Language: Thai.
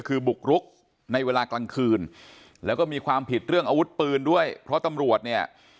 คือบุกรุกในเวลากลางคืนแล้วก็มีความผิดเรื่องอาวุธปืนด้วยเพราะตำรวจเนี่ย